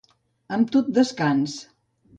Amb tot descans.